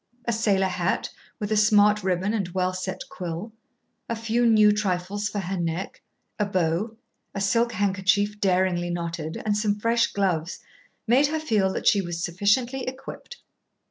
A sailor hat, with a smart ribbon and well set quill, a few new trifles for her neck, a bow, a silk handkerchief daringly knotted, and some fresh gloves, made her feel that she was sufficiently equipped.